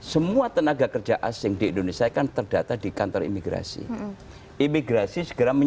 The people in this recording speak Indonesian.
semua tenaga kerja asing di indonesia kan terdata di kantor imigrasi